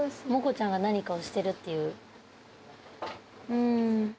うん。